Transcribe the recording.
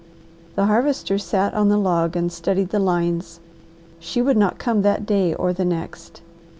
The Harvester sat on the log and studied the lines. She would not come that day or the next.